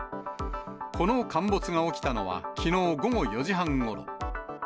この陥没が起きたのはきのう午後４時半ごろ。